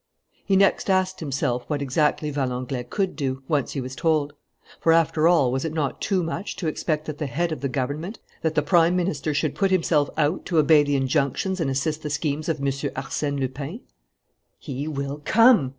He next asked himself what exactly Valenglay could do, once he was told. For, after all, was it not too much to expect that the head of the government, that the Prime Minister, should put himself out to obey the injunctions and assist the schemes of M. Arsène Lupin? "He will come!"